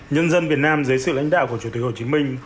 nhân dân việt nam dưới sự lãnh đạo của chủ tịch hồ chí minh